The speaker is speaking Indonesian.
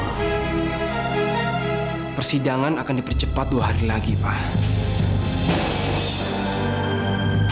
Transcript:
persidangan akan dipercepat dua hari lagi pak